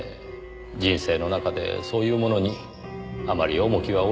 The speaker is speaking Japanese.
人生の中でそういうものにあまり重きは置いてませんねぇ。